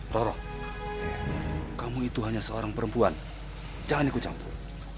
roro kamu itu hanya seorang perempuan jangan ikut campur